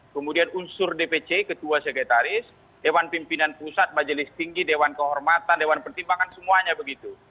kemudian unsur dpc ketua sekretaris dewan pimpinan pusat majelis tinggi dewan kehormatan dewan pertimbangan semuanya begitu